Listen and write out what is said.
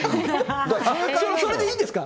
それでいいんですか？